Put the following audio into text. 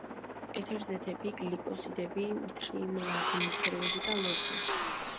ეთერზეთები, გლიკოზიდები, მთრიმლავი ნივთიერებები და ლორწო.